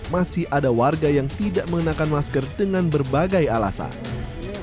masih ada warga yang tidak mengenakan masker dengan berbagai alasan